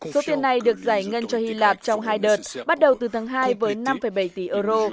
số tiền này được giải ngân cho hy lạp trong hai đợt bắt đầu từ tháng hai với năm bảy tỷ euro